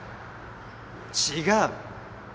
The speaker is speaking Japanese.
違う。